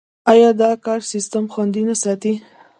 آیا دا کار سیستم خوندي نه ساتي؟